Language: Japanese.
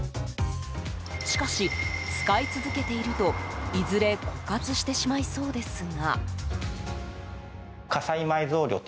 しかし、使い続けているといずれ枯渇してしまいそうですが。